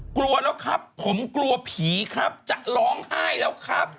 กลัวแล้วครับผมกลัวผีครับจะร้องไห้แล้วครับ